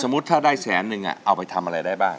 ถ้าได้แสนนึงเอาไปทำอะไรได้บ้าง